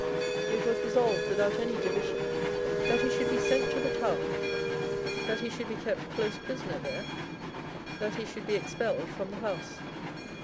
It was resolved, without any division, that he should be sent to the Tower, that he should be kept close prisoner there, that he should be expelled from the House.